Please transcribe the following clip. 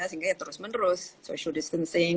sehingga ya terus menerus social distancing